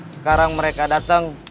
sekarang mereka dateng